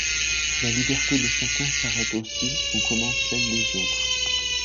La liberté de chacun s’arrête aussi où commence celle des autres.